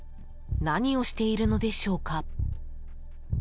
何をしているのでしょうか。